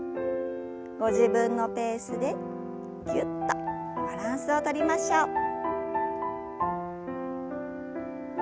ご自分のペースでぎゅっとバランスをとりましょう。